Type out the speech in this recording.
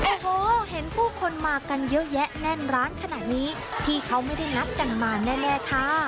โอ้โหเห็นผู้คนมากันเยอะแยะแน่นร้านขนาดนี้ที่เขาไม่ได้นัดกันมาแน่ค่ะ